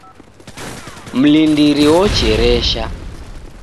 Mlindiri ocheresha